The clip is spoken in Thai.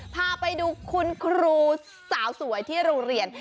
พาไปดูคุณครูสาวสวยที่โรงเรียน